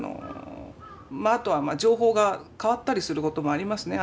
あとは情報が変わったりすることもありますね。